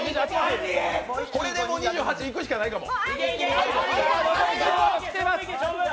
これで２８いくしかないかも。